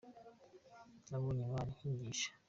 Nabonye Imana inyigisha.